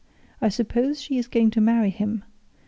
I suppose she is going to marry him.